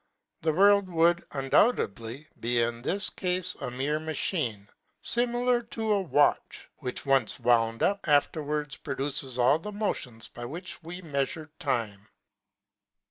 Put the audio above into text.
The world would, undoubtedly, be in this caTe, a mere machine, fimilar to a watch, which, once wound up, afterwards produces all the motions by which we meafure tim^.